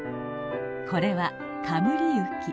これは「冠雪」。